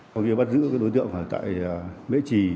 có việc bắt giữ đối tượng ở mấy trì